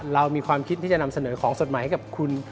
เรามีความคิดที่จะนำเสนอของสดใหม่ให้กับคุณ